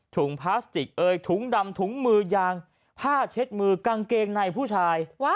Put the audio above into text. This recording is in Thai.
พลาสติกเอ่ยถุงดำถุงมือยางผ้าเช็ดมือกางเกงในผู้ชาย